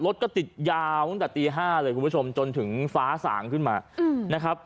รถก็ติดยาวตั้งแต่ตี๕เลยคุณผู้ชมจนถึงฟ้าสางขึ้นมานะครับ